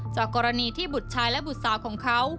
จากกรณีที่บุตรชายและบุตรสาวของเขา